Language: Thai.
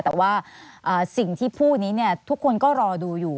แต่ว่าสิ่งที่พูดนี้ทุกคนก็รอดูอยู่